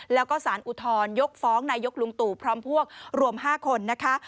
แล้วก็สารอุทธรยกฟ้องนายกลุงตู่พร้อมพวกรวม๕คนนะคะ